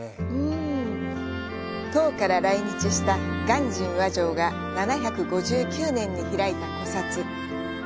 唐から来日した鑑真和上が７５９年に開いた古刹。